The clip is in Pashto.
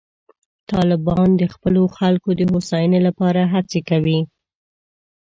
طالبان د خپلو خلکو د هوساینې لپاره هڅې کوي.